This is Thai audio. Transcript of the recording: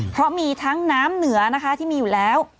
เพราะมีทั้งน้ำเหนือนะคะที่มีอยู่แล้ว